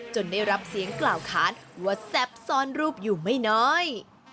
ได้รับเสียงกล่าวค้านว่าแซ่บซ่อนรูปอยู่ไม่น้อย